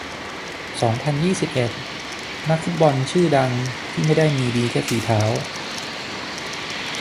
สองพันยี่สิบเอ็ด นักฟุตบอลชื่อดังที่ไม่ได้มีดีแค่ฝีเท้า